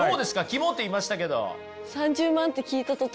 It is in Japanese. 「きも」って言いましたけど。